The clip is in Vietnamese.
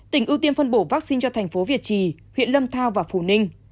tỉnh ưu tiên phân bổ vaccine cho thành phố việt trì huyện lâm thao và phù ninh